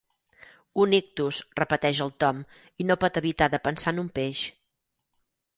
Un ictus —repeteix el Tom, i no pot evitar de pensar en un peix.